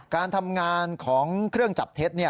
การทำงานของเครื่องจับเท็จ